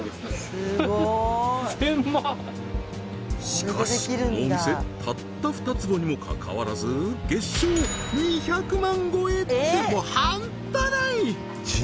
しかしこのお店たった２坪にもかかわらず月商２００万超えってもう半端ない！